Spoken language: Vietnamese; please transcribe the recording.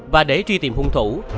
và để truy tìm hung thủ